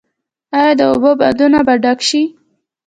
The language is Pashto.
آیا د اوبو بندونه به ډک شي؟